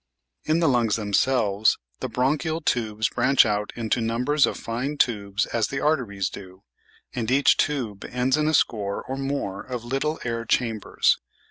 In the lungs themselves the bronchial tubes branch out into numbers of fine tubes as the arteries do, and each tube ends in a score or more of little air chambers.